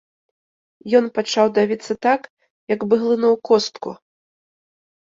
Ён пачаў давіцца так, як бы глынуў костку.